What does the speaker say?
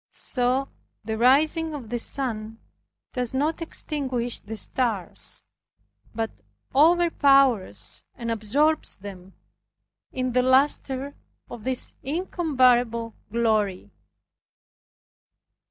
So the rising of the sun does not extinguish the stars, but overpowers and absorbs them in the luster of his incomparable glory.